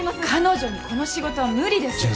彼女にこの仕事は無理です。